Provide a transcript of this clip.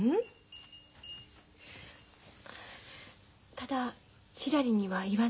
ただひらりには言わないで。